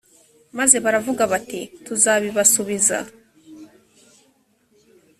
maze baravuga bati tuzabibasubiza